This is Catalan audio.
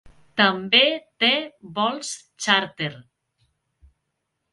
També té vols xàrter.